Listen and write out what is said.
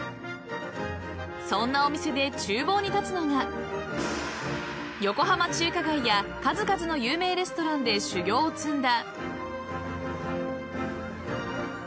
［そんなお店で厨房に立つのが横浜中華街や数々の有名レストランで修業を積んだ］